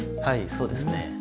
そうですね。